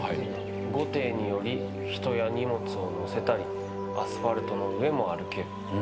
護蹄により人や荷物を載せたりアスファルトの上も歩ける。